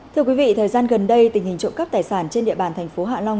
thưa quý vị thời gian gần đây tình hình trộm cắp tài sản trên địa bàn thành phố hạ long